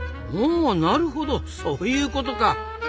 ああなるほどそういうことか！